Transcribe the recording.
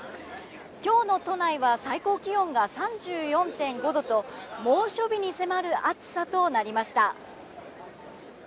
今日の都内は最高気温が３４．５度と猛暑日に迫る暑さとなりました。